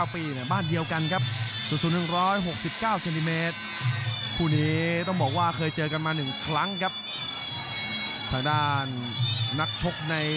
โปรดติดตามต่อไป